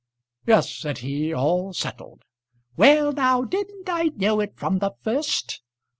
"Yes," said he; "all settled." "Well now! didn't I know it from the first?"